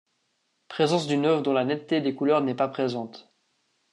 Présence d'une œuvre dont la netteté des couleurs n'est pas présente.